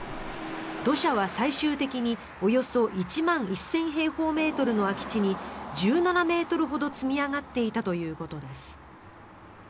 土砂は最終的におよそ１万１０００平方メートルの空き地に１７ｍほど積み上がっていたということです。